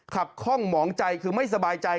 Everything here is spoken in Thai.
คล่องหมองใจคือไม่สบายใจ